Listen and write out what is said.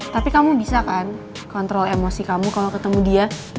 tapi kamu bisa kan kontrol emosi kamu kalau ketemu dia